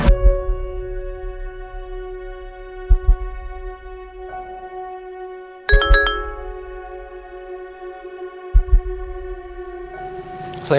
itu nyuruhnyaeline i